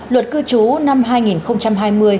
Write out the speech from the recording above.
luật cư trú năm hai nghìn hai mươi